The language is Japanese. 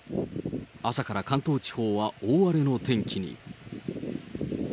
朝から関東地方は大荒れの天気に。